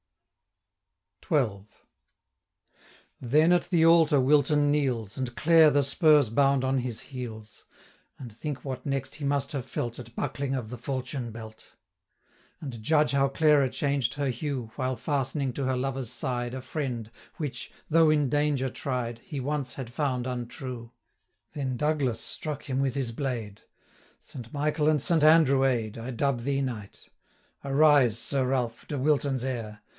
350 XII. Then at the altar Wilton kneels, And Clare the spurs bound on his heels; And think what next he must have felt, At buckling of the falchion belt! And judge how Clara changed her hue, 355 While fastening to her lover's side A friend, which, though in danger tried, He once had found untrue! Then Douglas struck him with his blade: 'Saint Michael and Saint Andrew aid, 360 I dub thee knight. Arise, Sir Ralph, De Wilton's heir!